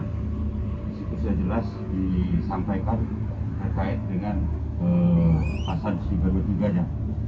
situ sudah jelas disampaikan terkait dengan pasal tiga ratus dua puluh tiga nya